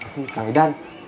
nih kang dan